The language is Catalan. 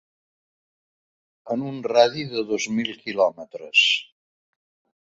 En un radi de dos mil quilòmetres